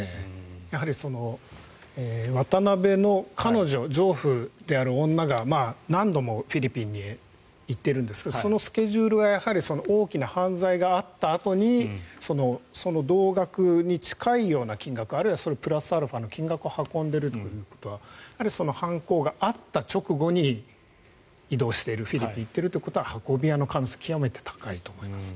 やはり、渡邉の彼女情婦である女が何度もフィリピンへ行っているんですがそのスケジュールは大きな犯罪があったあとにその同額に近いような金額あるいはそれにプラスアルファの金額を運んでいるということはやはり犯行があった直後に移動しているフィリピンに行っているということは運び屋の可能性が極めて高いと思います。